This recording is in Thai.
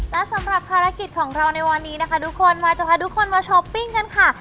และสำหรับภารกิจของเราในวันนี้นะคะทุกคนมาจะพาทุกคนมาช้อปปิ้งกันค่ะ